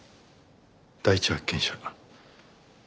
第一発見者。